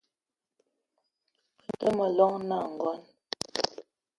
Be te ma llong na Ngonj